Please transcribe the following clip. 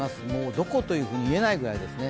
どこというふうに言えないくらいですね。